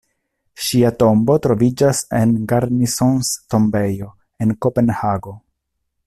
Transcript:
Ŝia tombo troviĝas en Garnisons-Tombejo, en Kopenhago.